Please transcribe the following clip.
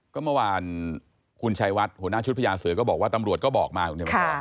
ก็เมื่อวานคุณชัยวัดหัวหน้าชุดพยานเสือก็บอกว่าตำรวจก็บอกมา